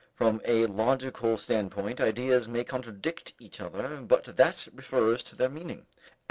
From a logical standpoint, ideas may contradict each other, but that refers to their meaning.